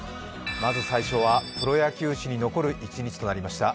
まず最初はプロ野球史に残る１試合となりました。